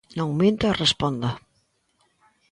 Non minta e responda.